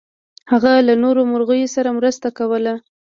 هغه له نورو مرغیو سره مرسته کوله.